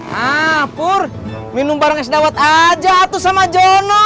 hapur minum barang es dawet aja tuh sama jono